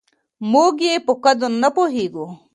موږ يې په قدر نه پوهېږو.